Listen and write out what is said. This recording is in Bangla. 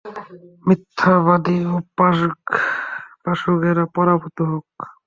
মিথ্যাবাদী ও পাষণ্ডেরা পরাভূত হোক।